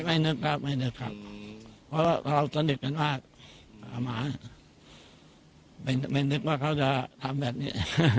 ไม่นึกครับไม่นึกครับเพราะว่าเราสนิทกันมากไม่นึกว่าเขาจะทำแบบนี้